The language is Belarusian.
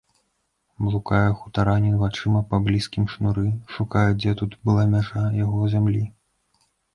Блукае хутаранін вачыма па блізкім шнуры, шукае, дзе тут была мяжа яго зямлі.